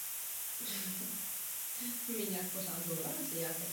Žánrem románu je psychologické drama s příměsí filozofických témat.